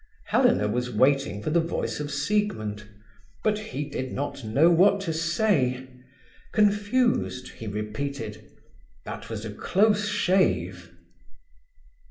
Helena was waiting for the voice of Siegmund. But he did not know what to say. Confused, he repeated: "That was a close shave."